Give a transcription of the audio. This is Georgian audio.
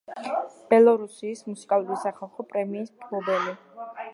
ბელორუსიის მუსიკალური სახალხო პრემიის მფლობელი.